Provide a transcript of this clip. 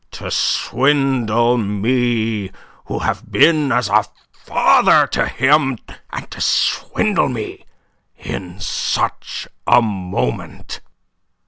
To swindle me who have been as a father to him and to swindle me in such a moment."